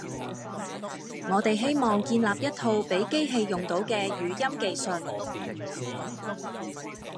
我哋希望建立一套畀機器用到嘅語音技術